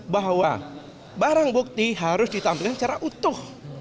bahwa barang bukti harus ditampilkan secara utuh